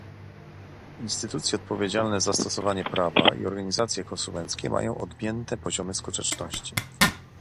Instytucje odpowiedzialne za stosowanie prawa i organizacje konsumenckie mają odmienne poziomy skuteczności